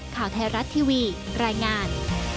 ข่าวไทยรัฐทีวีรายงาน